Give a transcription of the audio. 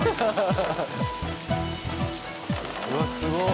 うわっすごっ！